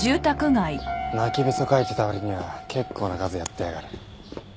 泣きべそかいてた割には結構な数やってやがる。